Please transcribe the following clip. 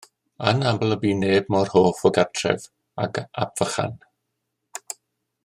Anaml y bu neb mor hoff o gartref ag Ap Vychan.